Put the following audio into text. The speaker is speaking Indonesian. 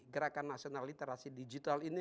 gerakan nasional literasi digital ini